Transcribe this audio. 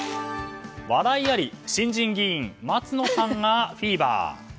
笑いあり新人議員・松野さんがフィーバー。